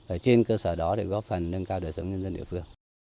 ở trên cơ sở đó để góp phần nâng cao đời sống nhân dân địa phương